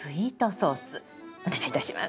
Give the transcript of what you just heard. お願いいたします。